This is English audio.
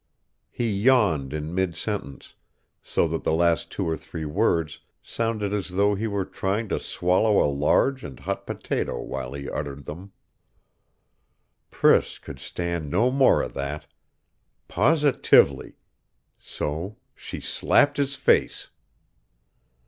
He yawned in mid sentence, so that the last two or three words sounded as though he were trying to swallow a large and hot potato while he uttered them. Priss could stand no more of that. Positively. So she slapped his face.